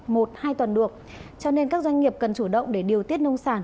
một hai tuần được cho nên các doanh nghiệp cần chủ động để điều tiết nông sản